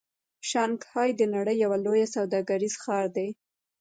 شانګهای د نړۍ یو لوی سوداګریز ښار دی.